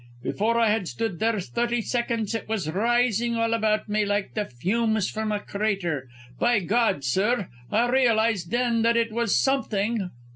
"Before I had stood there thirty seconds it was rising all about me like the fumes from a crater. By God, sir! I realised then that it was something